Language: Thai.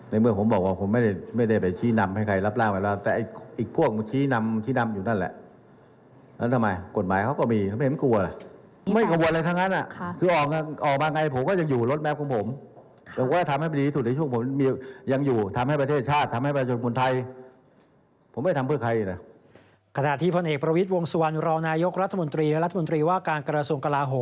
ในเมื่อผมบอกว่าผมไม่ได้ไปขี้นำให้ใครรับร่าง